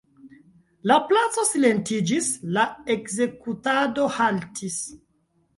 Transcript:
La placo silentiĝis, la ekzekutado haltis.